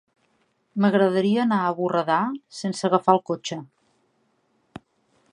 M'agradaria anar a Borredà sense agafar el cotxe.